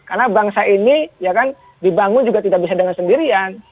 karena bangsa ini ya kan dibangun juga tidak bisa dengan sendirian